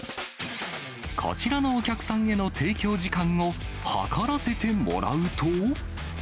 こちらのお客さんへの提供時間を計らせてもらうと。